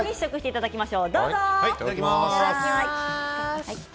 いただきます。